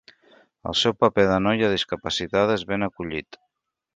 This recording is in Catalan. El seu paper de noia discapacitada és ben acollit.